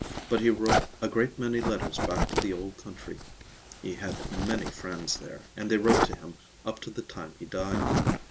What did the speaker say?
But he wrote a great many letters back to the old country. He had many friends there, and they wrote to him up to the time he died.